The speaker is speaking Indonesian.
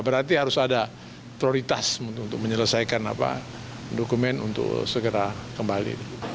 berarti harus ada prioritas untuk menyelesaikan dokumen untuk segera kembali